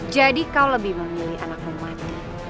jadi kau lebih memilih anakmu mati